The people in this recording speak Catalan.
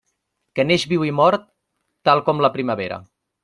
Que naix, viu i mor tal com la primavera.